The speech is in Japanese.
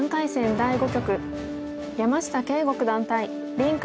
第５局山下敬吾九段対林漢